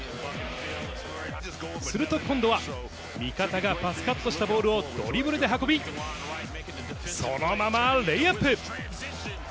すると今度は、味方がパスカットしたボールをドリブルで運び、そのままレイアップ。